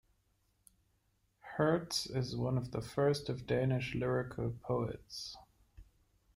Hertz is one of the first of Danish lyrical poets.